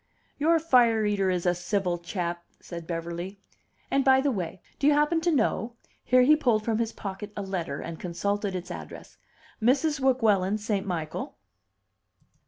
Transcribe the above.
"Your fire eater is a civil chap," said Beverly. "And by the way, do you happen to know," here he pulled from his pocket a letter and consulted its address, "Mrs. Weguelin St. Michael?"